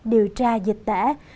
điều tra dịch tễ